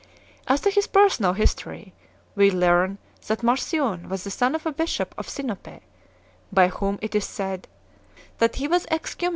As to his personal history, we learn that Marcion was the son of a bishop of Sinope, by whom it is said 4 that he 1 Homil.